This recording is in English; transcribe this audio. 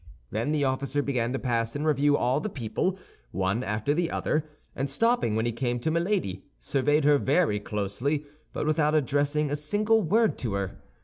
Then the officer began to pass in review all the people, one after the other, and stopping when he came to Milady, surveyed her very closely, but without addressing a single word to her.